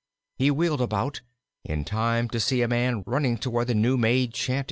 He wheeled about, in time to see a man running toward the new made shanty.